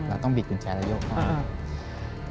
เราต้องบีบกุญแชแล้วโยกก้าน